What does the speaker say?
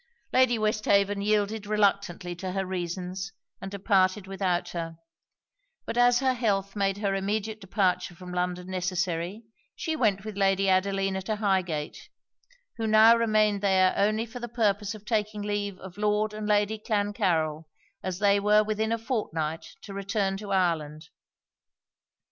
Lady Westhaven yielded reluctantly to her reasons, and departed without her: but as her health made her immediate departure from London necessary, she went with Lady Adelina to Highgate; who now remained there only for the purpose of taking leave of Lord and Lady Clancarryl, as they were within a fortnight to return to Ireland.